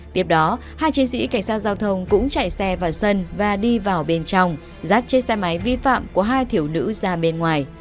tiếp đó hai chiến sĩ cảnh sát giao thông cũng chạy xe vào sân và đi vào bên trong rát chiếc xe máy vi phạm của hai thiểu nữ ra bên ngoài